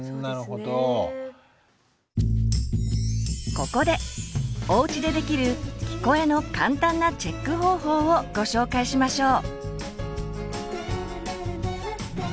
ここでおうちでできる「聞こえ」の簡単なチェック方法をご紹介しましょう。